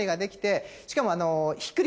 しかも。